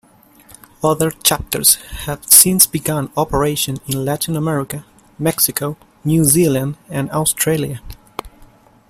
Other chapters have since begun operation in Latin America, Mexico, New Zealand, and Australia.